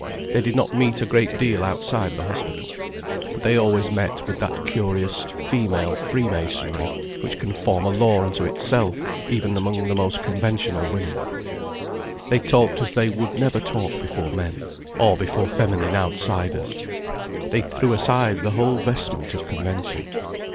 They did not meet a great deal outside the hospital. But they always met with that curious female freemasonry which can form a law unto itself even among most conventional women. They talked as they would never talk before men, or before feminine outsiders. They threw aside the whole vestment of convention.